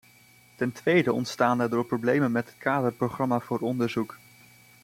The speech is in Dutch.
Ten tweede ontstaan daardoor problemen met het kaderprogramma voor onderzoek.